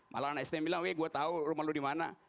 malah anak stm bilang gue tahu rumah lo dimana